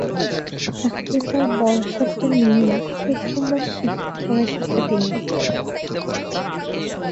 তাকে তার বর্শা টা নিয়ে প্রথমবার শিকার করা শেখাতে নিয়ে যেতাম।